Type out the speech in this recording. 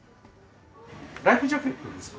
ライフジャケットですか？